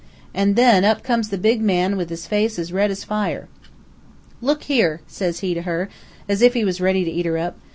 An' then up comes the big man with his face as red as fire. 'Look' here!' says he to her, as if he was ready to eat her up.